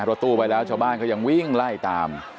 รถตู้ไปแล้วชาวบ้านก็ยังวิ่งไล่ตาม